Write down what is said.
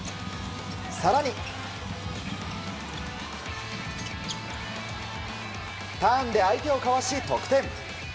更にターンで相手をかわし得点。